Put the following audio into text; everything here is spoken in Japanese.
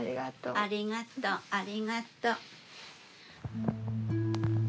ありがとうありがとう。